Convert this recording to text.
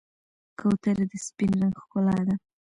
کوتره د سپین رنګ ښکلا ده.